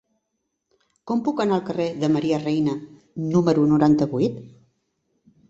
Com puc anar al carrer de Maria Reina número noranta-vuit?